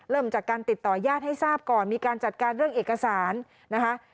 เริ่มจากการติดต่อญาติให้ทราบก่อนมีการจัดการเรื่องเอกสารนะคะ